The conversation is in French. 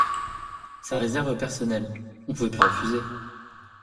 sa réserve personnelle. On pouvait pas refuser.